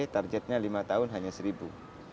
targetnya lima tahun hanya seribu